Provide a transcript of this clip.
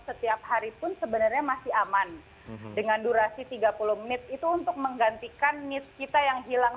setiap hari pun sebenarnya masih aman dengan durasi tiga puluh menit itu untuk menggantikan nis kita yang hilang